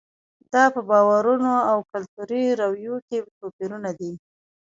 دا په باورونو او کلتوري رویو کې توپیرونه دي.